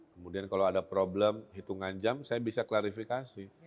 kemudian kalau ada problem hitungan jam saya bisa klarifikasi